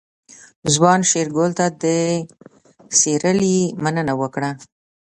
ځوان شېرګل ته د سيرلي مننه وکړه.